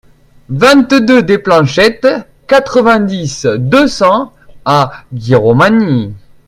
vingt-deux des Planchettes, quatre-vingt-dix, deux cents à Giromagny